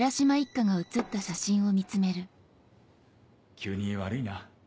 急に悪いな。